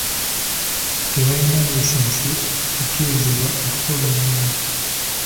Tebalina layisinsi ekkirizibwa okukola omulimu.